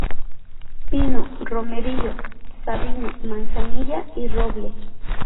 Pino, romerillo, sabino, manzanilla y roble.